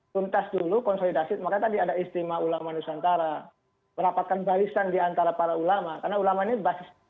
tuntas dulu konsolidasi makanya tadi ada istimewa ulama nusantara merapatkan barisan diantara para ulama karena ulama ini basis